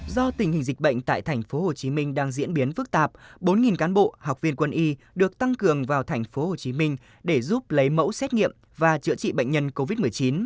do tình hình dịch bệnh tại tp hcm đang diễn biến phức tạp bốn cán bộ học viên quân y được tăng cường vào tp hcm để giúp lấy mẫu xét nghiệm và chữa trị bệnh nhân covid một mươi chín